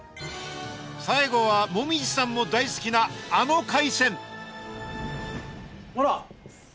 最後は紅葉さんも大好きなあの海鮮あら。